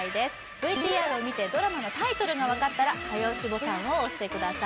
ＶＴＲを見てドラマのタイトルがわかったら早押しボタンを押してください